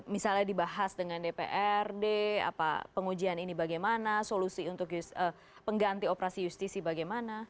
misalnya dibahas dengan dprd pengujian ini bagaimana solusi untuk pengganti operasi justisi bagaimana